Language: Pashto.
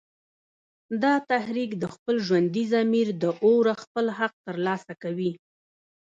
دا تحریک د خپل ژوندي ضمیر د اوره خپل حق تر لاسه کوي